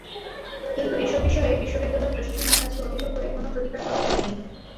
কিন্তু এসব বিষয়ে বিশ্ববিদ্যালয় প্রশাসনের কাছে অভিযোগ করে কোনো প্রতিকার পাওয়া যায়নি।